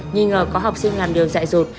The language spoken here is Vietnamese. nhi ngờ có học sinh làm đường dạy rụt